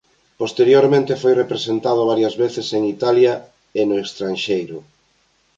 Posteriormente foi representado varias veces en Italia e no estranxeiro.